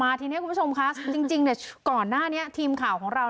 ทีนี้คุณผู้ชมคะจริงก่อนหน้านี้ทีมข่าวของเรา